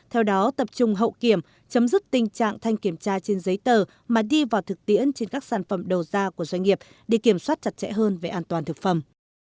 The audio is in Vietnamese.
các doanh nghiệp sẽ phải tập trung kiểm tra trên giấy tờ mà đi vào thực tiễn trên các sản phẩm đầu ra của doanh nghiệp để kiểm soát chặt chẽ hơn về an toàn thực phẩm